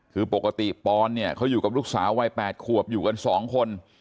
คือปกติปอนเนี่ยเขาอยู่กับลูกสาววัย๘ขวบอยู่กัน๒คน